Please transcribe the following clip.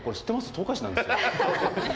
東海市なんですよって。